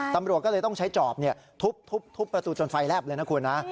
ตำรวจก็เลยต้องใช้จอบทุบประตูจนไฟแลบเลยนะคุณนะ